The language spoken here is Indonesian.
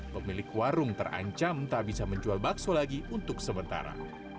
pemilik warung terancam tak bisa menjual bakso lagi untuk sementara